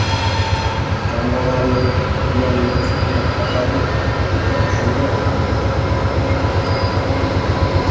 — Kambag‘alni tuyaning ustida it qopadi, degani shu-da, — dedi.